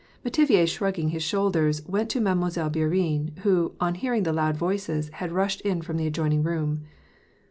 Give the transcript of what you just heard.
Metivier, shrugging his shoulders, went to Mademoiselle Bourienne, who, on hearing the loud voices, had rushed in from the adjoining room.